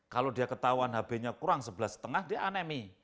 kalau dia ketahuan hb nya kurang sebelas lima dia anemi